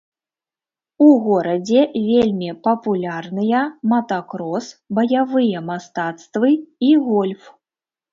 У горадзе вельмі папулярныя мотакрос, баявыя мастацтвы і гольф.